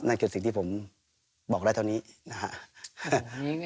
นั่นคือสิ่งที่ผมบอกได้เท่านี้นะครับ